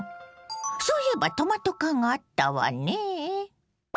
そういえばトマト缶があったわねぇ。